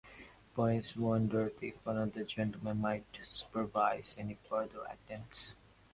Bowes wondered if another gentlemen might supervise any further attempts.